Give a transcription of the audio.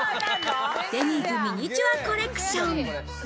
デニーズミニチュアコレクション。